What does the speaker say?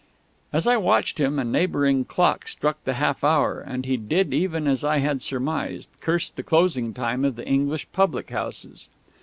As I watched him, a neighbouring clock struck the half hour, and he did even as I had surmised cursed the closing time of the English public houses....